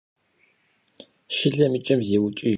Şşılem yi ç'em zêuç'ıjj.